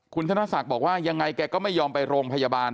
คุณท่านศาฏฐ์บอกว่าอย่างไรแกก็ไม่ยอมไปโรงพยาบาล